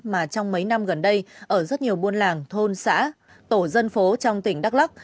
mà trong mấy năm gần đây ở rất nhiều buôn làng thôn xã tổ dân phố trong tỉnh đắk lắc